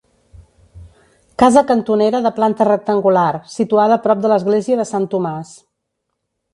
Casa cantonera de planta rectangular, situada a prop de l'església de Sant Tomàs.